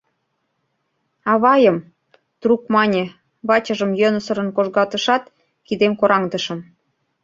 — Авайым, — трук мане, вачыжым йӧнысырын кожгатышат, кидем кораҥдышым.